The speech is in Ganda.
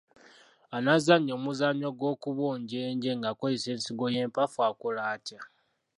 Anaazannya omuzannyo gw'okubonja enje ng'akozesa ensigo y'empafu akola atya?